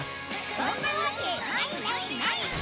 そんなわけないないない！